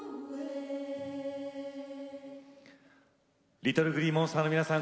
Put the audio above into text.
ＬｉｔｔｌｅＧｌｅｅＭｏｎｓｔｅｒの皆さん